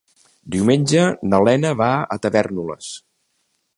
Diumenge na Lena va a Tavèrnoles.